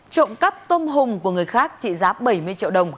trộm cắp tôm hùng của người khác trị giá bảy mươi triệu đồng